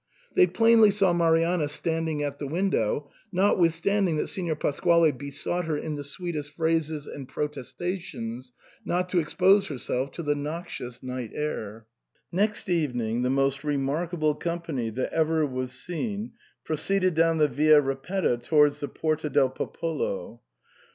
They plainly saw Marianna standing at the window, notwithstanding that Signor Pasquale besought her in the sweetest phrases and protestations not to expose herself to the noxious night air. Next evening the most remarkable company that ever was seen proceeded down the Via Ripetta towards the Porta del Popolo.